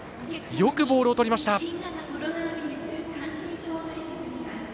よくボールをとりました。